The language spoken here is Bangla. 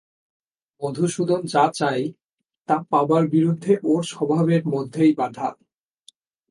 মধুসূদন যা চায় তা পাবার বিরুদ্ধে ওর স্বভাবের মধ্যেই বাধা।